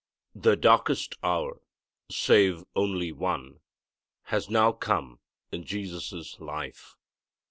The darkest hour save only one has now come in Jesus' life.